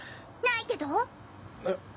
ないけど？